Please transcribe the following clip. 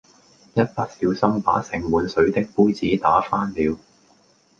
一不小心把盛滿水的杯子打翻了